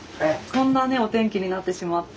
こんなねお天気になってしまって。